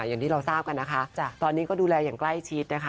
อย่างที่เราทราบกันนะคะตอนนี้ก็ดูแลอย่างใกล้ชิดนะคะ